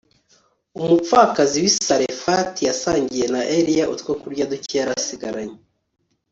Umupfakazi wi Sarefati yasangiye na Eliya utwokurya duke yari asigaranye